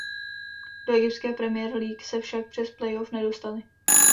Do Egyptské Premier League se však přes playoff nedostali.